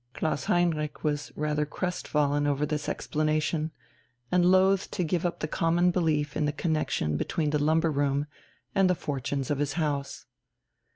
Klaus Heinrich was rather crestfallen over this explanation, and loath to give up the common belief in the connexion between the lumber room and the fortunes of his house.